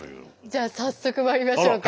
じゃあ早速まいりましょうか。